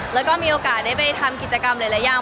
แล้วก็มีโอกาสได้ไปทำกิจกรรมหลายอย่าง